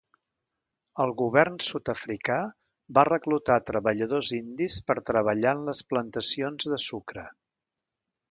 El govern sud-africà va reclutar treballadors indis per treballar en les plantacions de sucre.